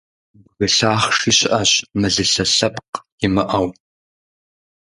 Бгы лъахъши щыӀэщ, мылылъэ лъэпкъ имыӀэу.